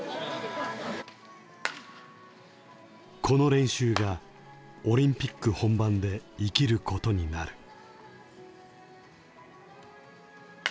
この練習がオリンピック本番で生きることになる。